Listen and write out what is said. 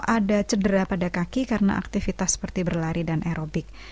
ada cedera pada kaki karena aktivitas seperti berlari dan aerobik